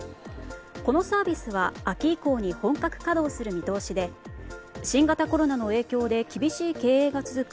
このサービスは秋以降に本格稼働する見通しで新型コロナの影響で厳しい経営が続く